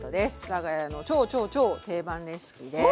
わが家の超超超定番レシピです。